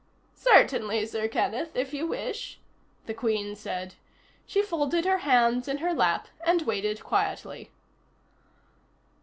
"Certainly, Sir Kenneth, if you wish," the Queen said. She folded her hands in her lap and waited quietly.